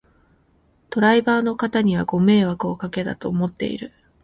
ドライバーの方にはご迷惑をかけたと思っている